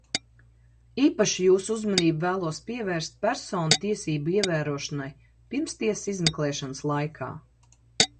Īpaši jūsu uzmanību vēlos pievērst personu tiesību ievērošanai pirmstiesas izmeklēšanas laikā.